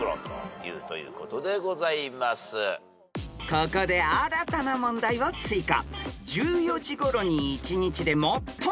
［ここで新たな問題を追加］